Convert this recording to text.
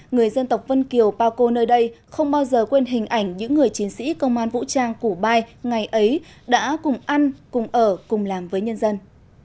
người dân tộc vân kiều bao cô nơi đây không bao giờ quên hình ảnh những người chiến sĩ công an vũ trang củ bai ngày ấy đã cùng ăn cùng ở cùng làm với nhân dân